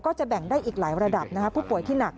จะแบ่งได้อีกหลายระดับผู้ป่วยที่หนัก